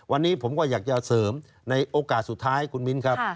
วันนี้ผมก็อยากจะเสริมในโอกาสสุดท้ายคุณมิ้นครับ